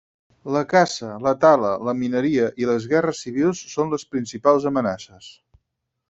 La caça, la tala, la mineria i les guerres civils són les principals amenaces.